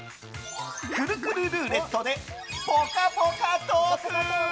くるくるルーレットでぽかぽかトーク！